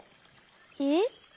えっ？